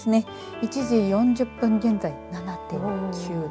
１時４０分現在、７．９度。